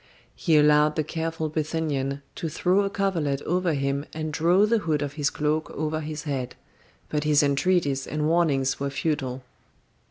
He allowed the careful Bithynian to throw a coverlet over him and draw the hood of his cloak over his head, but his entreaties and warnings were futile.